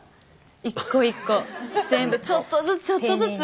全部ちょっとずつちょっとずつ。